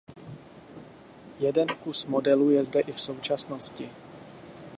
Jeden kus modelu je zde i v současnosti.